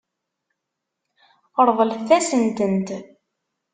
Ṛeḍlet-asent-tent.